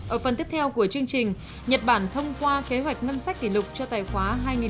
ở phần tiếp theo của chương trình nhật bản thông qua kế hoạch ngân sách kỷ lục cho tài khoá hai nghìn hai mươi